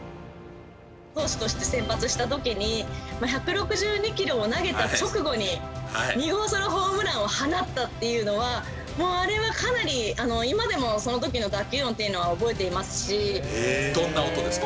投手として先発したときに、１６２キロを投げた直後に、２号ソロホームランを放ったっていうのは、もうあれはかなり今でもそのときの打球音っていうのは覚えていまどんな音ですか？